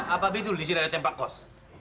apa betul di sini ada tembak kos